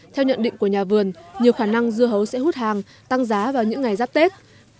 theo nhận định của nhà vườn nhiều khả năng dưa hấu sẽ hút hàng tăng giá vào những ngày giáp tết